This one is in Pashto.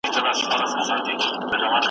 شرنګول د دروازو یې ځنځیرونه .